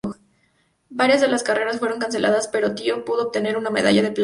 Varias de las carreras fueron canceladas, pero Tio pudo obtener una medalla de plata.